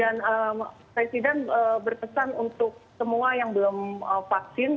dan presiden berpesan untuk semua yang belum vaksin